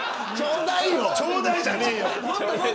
ちょうだいじゃねえよ。